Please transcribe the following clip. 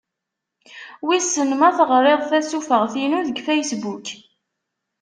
Wissen ma teɣriḍ tasufeɣt-inu deg Facebook.